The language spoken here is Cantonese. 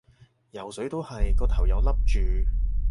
游水都係，個頭又笠住